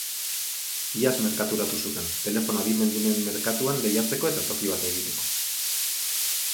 Iaz merkaturatu zuten, telefono adimendunen merkatuan lehiatzeko eta toki bat egiteko.